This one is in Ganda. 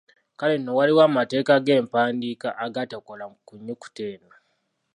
Kale nno waliwo amateeka g’empandiika agatakola ku nnyukuta eno.